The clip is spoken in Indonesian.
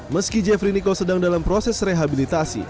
meski jeffrey nico sedang dalam proses rehabilitasi